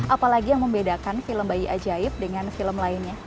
apalagi yang membedakan film bayi ajaib dengan film lainnya